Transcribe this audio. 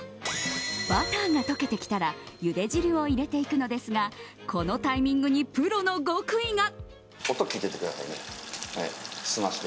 バターが溶けてきたらゆで汁を入れていくのですがこのタイミングにプロの極意が。